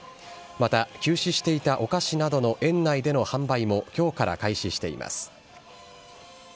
また休止していたお菓子などの園内での販売も、きょうから開始しています。